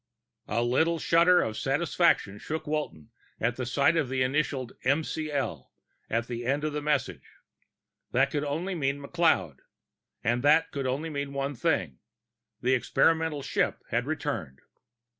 _ A little shudder of satisfaction shook Walton at the sight of the initialed McL. at the end of the message. That could mean only McLeod and that could mean only one thing: the experimental starship had returned!